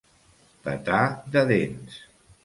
Petar de dents.